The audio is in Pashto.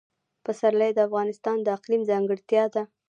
پسرلی د افغانستان د اقلیم ځانګړتیا ده.